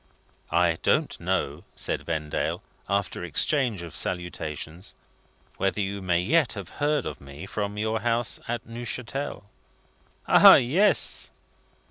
"I don't know," said Vendale, after exchange of salutations, "whether you may yet have heard of me from your House at Neuchatel?" "Ah, yes!"